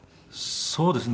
そうですね。